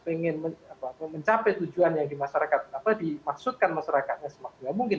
ingin mencapai tujuan yang dimaksudkan masyarakatnya semaksimal mungkin